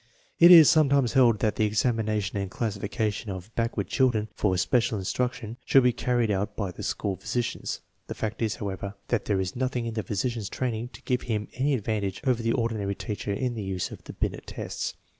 It is sometimes held that the examination and classifica tion of backward children for special instruction should be carried out by the school physicians. The fact is, however, that there is nothing in the physician's training to give him any advantage over the ordinary teacher in the use of the Binet tests.